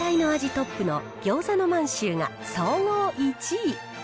トップのぎょうざの満州が総合１位。